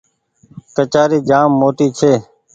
ڪچآري جآم موٽي ڇي۔